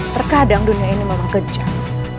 terkadang dunia ini memang kencang